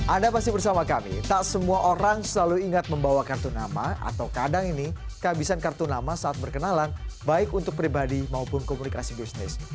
anda masih bersama kami tak semua orang selalu ingat membawa kartu nama atau kadang ini kehabisan kartu nama saat berkenalan baik untuk pribadi maupun komunikasi bisnis